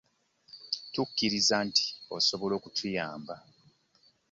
Tukkiriza nti osobola okutuyamba.